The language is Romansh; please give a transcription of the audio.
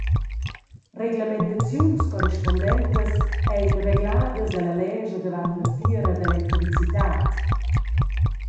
Reglamentaziuns corrispundentas ein regladas ella lescha davart la fiera d’electricitad.